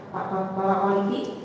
pak kepala orig